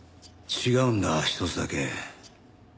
違うんだ１つだけ。